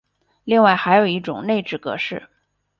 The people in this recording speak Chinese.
另外还有一种内置格式。